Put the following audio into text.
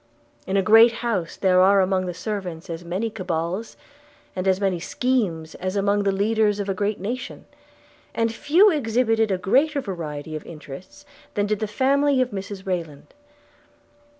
In a great house there are among the servants as many cabals, and as many schemes, as among the leaders of a great nation; and few exhibited a greater variety of interests than did the family of Mrs Rayland.